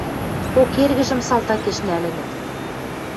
Кок эргӹжӹм салтакеш нӓлӹнӹт.